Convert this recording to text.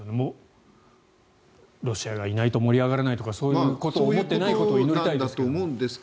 ロシアがいないと盛り上がらないとかそういうことを思っていないことを祈りたいですが。